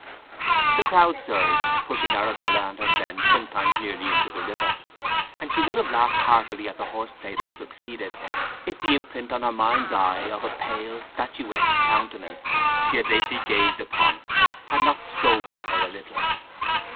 The crowd surged, pushing Arabella and her friends sometimes nearly into the river, and she would have laughed heartily at the horse play that succeeded, if the imprint on her mind's eye of a pale, statuesque countenance she had lately gazed upon had not sobered her a little.